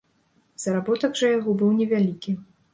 Заработак жа яго быў невялікі.